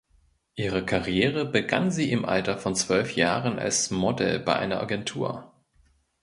Ihre Karriere begann sie im Alter von zwölf Jahren als Model bei einer Agentur.